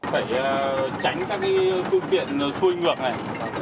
phải tránh các phương tiện xuôi ngược này